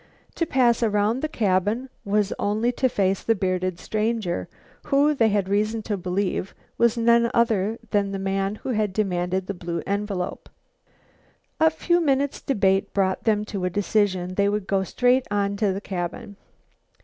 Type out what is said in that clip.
To pass around the cabin was only to face the bearded stranger, who, they had reason to believe, was none other than the man who had demanded the blue envelope. A few minutes' debate brought them to a decision. They would go straight on to the cabin.